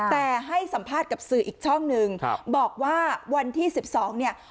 แต่ให้สัมภาษณ์กับสื่ออีกช่องหนึ่งบอกว่าวันที่๑๒เนี่ย